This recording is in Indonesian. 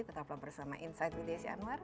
tetaplah bersama insight with desi anwar